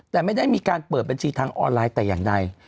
แต่ไม่ได้มีการเปิดบัญชีทางออนไลน์แต่อย่างใด